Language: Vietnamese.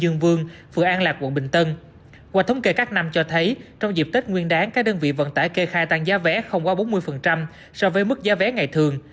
ngoài thống kê các năm cho thấy trong dịp tết nguyên đáng các đơn vị vận tải kê khai tăng giá vé không qua bốn mươi so với mức giá vé ngày thường